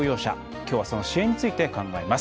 きょうはその支援について考えます。